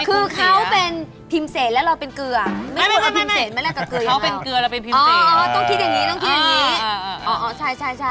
คือเขาเป็นพิมเซนและเราเป็นเกลืออะ